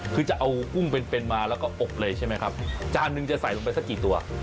คือจะเอากุ้งเป็นเป็นมาแล้วก็อบเลยใช่ไหมครับจานนึงจะใส่ลงไปสักกี่ตัว